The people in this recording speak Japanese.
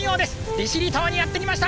利尻島にやって来ました。